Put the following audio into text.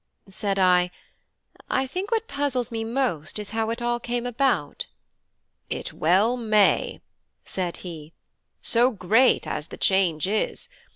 Said I: "I think what puzzles me most is how it all came about." "It well may," said he, "so great as the change is.